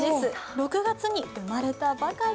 ６月に生まれたばかり。